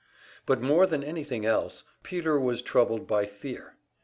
But more than anything else Peter was troubled by fear.